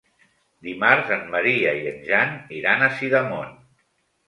Dimarts en Maria i en Jan iran a Sidamon.